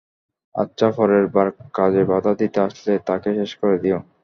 আচ্ছা, পরের বার কাজে বাধা দিতে আসলে, তাকে শেষ করে দিও।